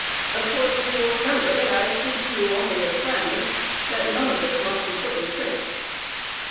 Of course, you will remember that I speak to you only as friends; that none of this must be put in print."